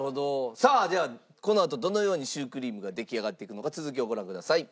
さあではこのあとどのようにシュークリームが出来上がっていくのか続きをご覧ください。